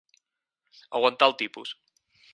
Aguantar el tipus.